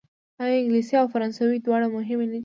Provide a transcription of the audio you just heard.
آیا انګلیسي او فرانسوي دواړه مهمې نه دي؟